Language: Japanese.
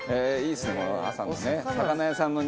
いいっすね。